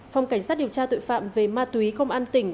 phòng cảnh sát điều tra tội phạm về ma túy công an tỉnh